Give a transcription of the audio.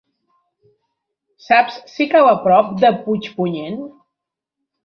Saps si cau a prop de Puigpunyent?